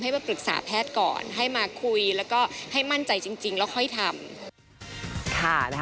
มาปรึกษาแพทย์ก่อนให้มาคุยแล้วก็ให้มั่นใจจริงแล้วค่อยทำ